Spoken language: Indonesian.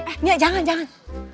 eh nia jangan jangan